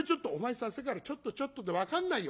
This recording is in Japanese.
さっきから『ちょっとちょっと』って分かんないよ」。